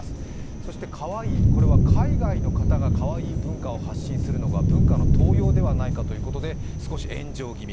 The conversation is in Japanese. そしてＫａｗａｉｉ、これは海外の方がＫａｗａｉｉ文化を発信するのが文化の盗用ではないかということで少し炎上気味。